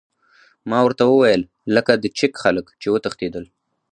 ما ورته وویل: لکه د چیک خلک، چې وتښتېدل.